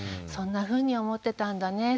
そんなふうに思ってたんだね